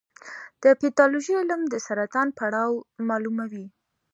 د پیتالوژي علم د سرطان پړاو معلوموي.